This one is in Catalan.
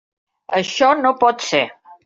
Això no pot ser.